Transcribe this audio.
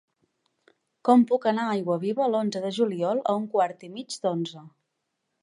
Com puc anar a Aiguaviva l'onze de juliol a un quart i mig d'onze?